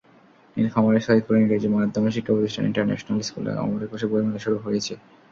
নীলফামারীর সৈয়দপুরে ইংরেজি মাধ্যমের শিক্ষাপ্রতিষ্ঠান ইন্টারন্যাশনাল স্কুলে অমর একুশে বইমেলা শুরু হয়েছে।